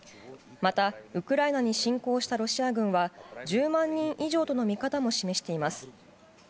またウクライナに侵攻したロシア軍は１０万人以上との見方も示しています。